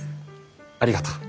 ありがとう。